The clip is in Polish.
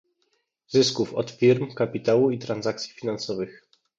zysków od firm, kapitału i transakcji finansowych